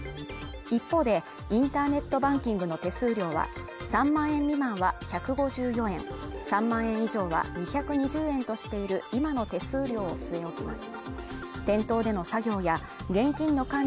一方で、インターネットバンキングの手数料は３万円未満は１５４円３万円以上は２２０円としている今の手数料を据え置きます。